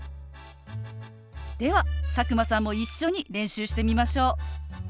では佐久間さんも一緒に練習してみましょう。